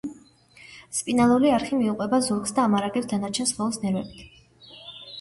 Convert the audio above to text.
სპინალური არხი მიუყვება ზურგს და ამარაგებს დანარჩენ სხეულს ნერვებით.